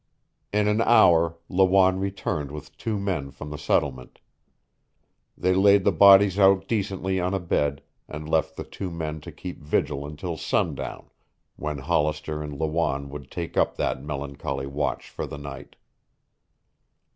In an hour Lawanne returned with two men from the settlement. They laid the bodies out decently on a bed and left the two men to keep vigil until sundown, when Hollister and Lawanne would take up that melancholy watch for the night.